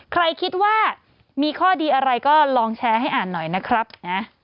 ใครคิดว่ามีข้อดีอะไรก็ลองแชร์ให้อ่านหน่อยนะครับนะ